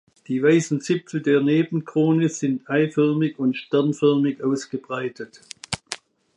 Die weißen Zipfel der Nebenkrone sind eiförmig und sternförmig ausgebreitet.